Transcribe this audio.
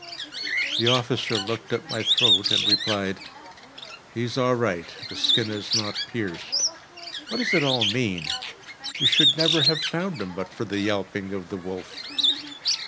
The officer looked at my throat and replied: "He is all right; the skin is not pierced. What does it all mean? We should never have found him but for the yelping of the wolf."